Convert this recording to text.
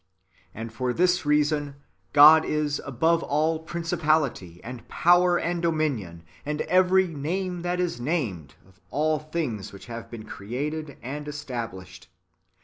And for this reason God is "above all principality, and power, and dominion, and every name that is named," ^ of all things which have been created and established.